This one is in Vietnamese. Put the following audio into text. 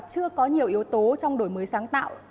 chưa có nhiều yếu tố trong đổi mới sáng tạo